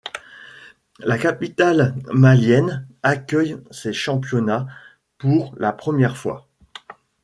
La capitale malienne accueille ces championnats pour la première fois.